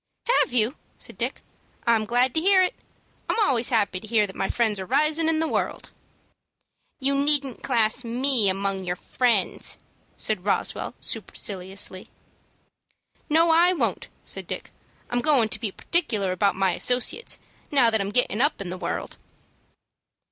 "Have you?" said Dick. "I'm glad to hear it. I'm always happy to hear that my friends are risin' in the world." "You needn't class me among your friends," said Roswell, superciliously. "No, I won't," said Dick. "I'm goin' to be particular about my associates, now that I'm gettin' up in the world."